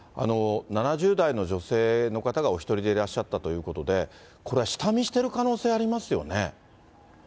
７０代の女性の方がお１人でいらっしゃったということで、これは下見してる可能性ありますよね。